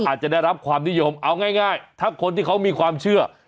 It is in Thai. อาจจะได้รับความนิยมเอาง่ายถ้าคนที่เขามีความเชื่อ